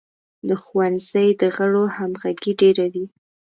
د ښوونځي د غړو همغږي ډیره وي.